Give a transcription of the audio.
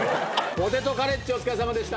ポテトカレッジお疲れさまでした。